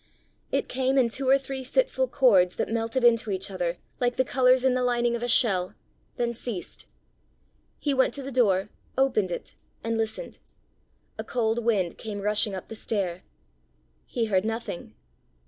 It came in two or three fitful chords that melted into each other like the colours in the lining of a shell, then ceased. He went to the door, opened it, and listened. A cold wind came rushing up the stair. He heard nothing.